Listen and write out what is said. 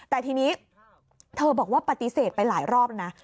แต่ทีนี้เธอบอกว่าปฏิเสธไปหลายรอบนะ